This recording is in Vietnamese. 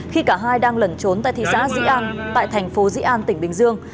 khi cả hai đang lẩn trốn tại thị xã dĩ an tại thành phố dĩ an tỉnh bình dương